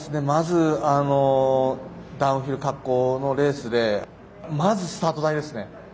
まずダウンヒル滑降のレースでまず、スタート台ですね。